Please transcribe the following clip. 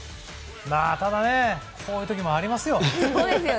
ただ、こういう時もありますよ。